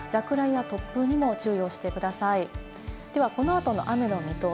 落雷や突風にも注意をしてください。